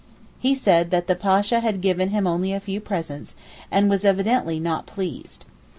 He said that the Pasha had given him only a few presents, and was evidently not pleased.